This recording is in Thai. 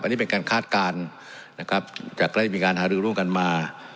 อันนี้เป็นการคาดการณ์จากใกล้มีการหารือร่วงกันมา